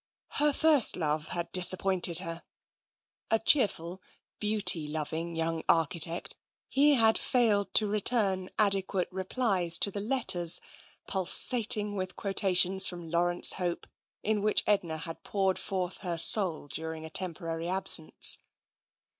Her first TENSION 139 love had disappointed her. A cheerful, beauty loving young architect, he had failed to return adequate replies to the letters, pulsating with quotations from Laurence Hope, in which Edna had poured forth her soul dur ing a temporary absence.